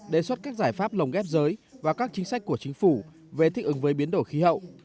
đề xuất các giải pháp lồng ghép giới và các chính sách của chính phủ về thích ứng với biến đổi khí hậu